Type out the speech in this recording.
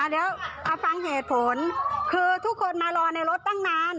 อ่ะเดี๋ยวพักฟังเศษฟนคือทุกคนมารอในรถตั้งนาน